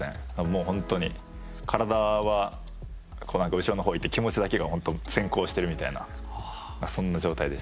もう本当に体は後ろの方にいて気持ちだけが先行しているみたいな状態でした。